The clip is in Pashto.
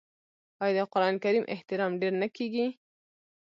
آیا د قران کریم احترام ډیر نه کیږي؟